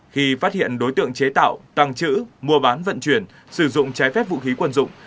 khi phát hiện đối tượng chế tạo tăng chữ mua bán vận chuyển sử dụng trái phép vũ khí quân dụng